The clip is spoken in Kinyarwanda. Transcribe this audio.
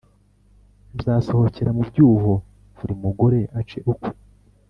muzasohokera mu byuho, buri mugore ace ukwe,